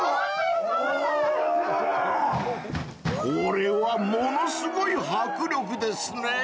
［これはものすごい迫力ですね］